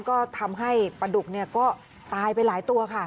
ก็ทำให้ปลาดุกก็ตายไปหลายตัวค่ะ